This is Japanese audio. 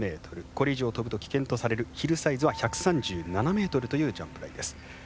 これ以上飛ぶと危険とされるヒルサイズは１３７ｍというジャンプ台です。